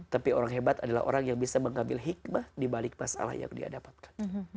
tapi orang hebat adalah orang yang bisa mengambil hikmah di balik hidup kita